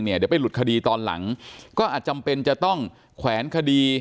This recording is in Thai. เดี๋ยวไปหลุดคดีตอนหลังก็อาจจำเป็นจะต้องแขวนคดี